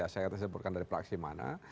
saya sebutkan dari plaksi mana